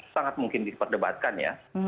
sangat mungkin diperdebatkan ya